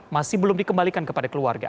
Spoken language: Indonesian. masih belum dikembalikan kepada keluarga